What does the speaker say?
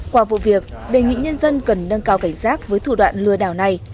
qua vụ việc đề nghị nhân dân cần nâng cao cảnh giác với thủ đoạn lừa đảo này